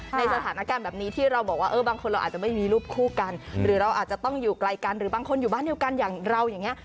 ในสถานการณ์แบบนี้ที่เราบอกว่าเออบางคนเราอาจจะไม่มีรูปคู่กันหรือเราอาจจะต้องอยู่ไกลกันหรือบางคนอยู่บ้านเดียวกันอย่างเราอย่างนี้